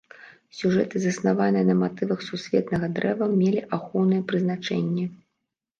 Сюжэты, заснаваныя на матывах сусветнага дрэва, мелі ахоўнае прызначэнне.